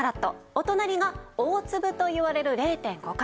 お隣が大粒といわれる０．５カラット。